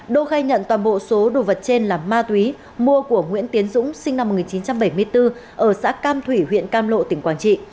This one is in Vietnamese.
đô khai nhận toàn bộ số đồ vật trên là ma túy mua của nguyễn tiến dũng sinh năm một nghìn chín trăm bảy mươi bốn ở xã cam thủy huyện cam lộ tỉnh quảng trị